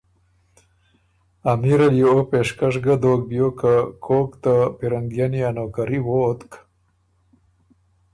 امیر ال يې او پېشکش ګه دوک بیوک که کوک ته پیرنګئني ا نوکري ووتک